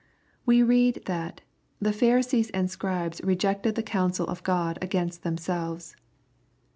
We read that " The Pharisees and Scribes rejected the counsel of God against themselves.''